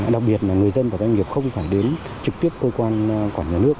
đặc biệt là người dân và doanh nghiệp không phải đến trực tiếp cơ quan quản lý nước